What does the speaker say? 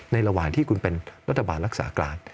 ระหว่างที่คุณเป็นรัฐบาลรักษาการ